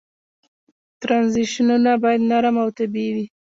ترنزیشنونه باید نرم او طبیعي وي.